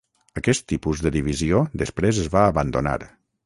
Aquest tipus de divisió després es va abandonar.